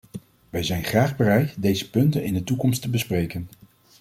Wij zijn graag bereid deze punten in de toekomst te bespreken.